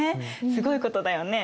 すごいことだよね。